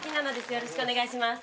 よろしくお願いします。